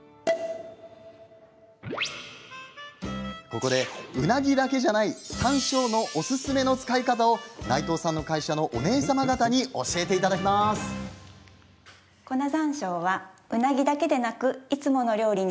ここで、ウナギだけじゃない山椒おすすめの使い方を内藤さんの会社のお姉様方に教えていただきます。ね！